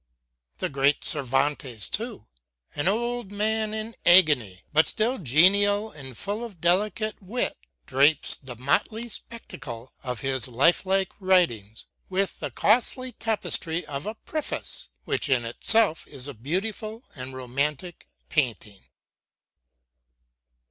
The great Cervantes too, an old man in agony, but still genial and full of delicate wit, drapes the motley spectacle of his lifelike writings with the costly tapestry of a preface, which in itself is a beautiful and romantic painting.